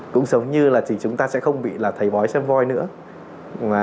cũng giống như là chúng ta sẽ không bị thầy bói xem voi nữa